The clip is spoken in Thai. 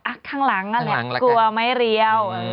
เช่นข้างหลังละแหละกลัวไม่เรียว